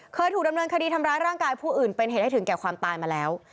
เคยถูกดำเนินคดีทำร้ายร่างกายผู้อื่นเป็นเหตุให้ถึงแก่ความตายมาแล้ว